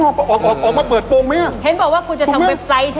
เห็นบอกว่าคุณจะทำเว็บไซต์ใช่มั้ยคะ